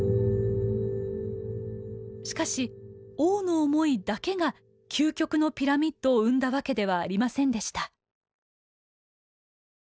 しかし王の思いだけが「究極のピラミッド」を生んだわけではありませんでした。